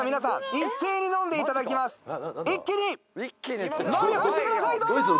一気に飲み干してくださいどうぞ！